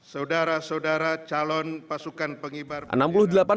saudara saudara calon pasukan pengibar bendera pusaka